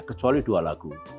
kecuali dua lagu